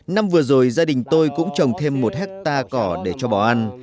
năm vừa rồi gia đình tôi cũng trồng thêm một hectare cỏ để cho bỏ ăn